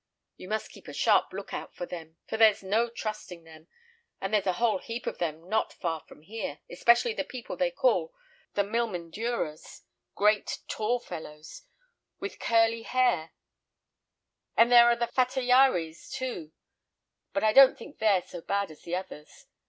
You must keep a sharp look out for them, for there's no trusting them, and there's a whole heap of them not far from here, especially the people they call the Milmenduras, great, tall fellows, with curly hair; and there are the Fatayaries, too, but I don't think they're so bad as the others.